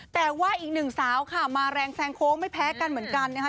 แต่ว่าอีกหนึ่งสาวค่ะมาแรงแซงโค้งไม่แพ้กันเหมือนกันนะคะ